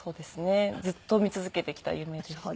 ずっと見続けてきた夢でした。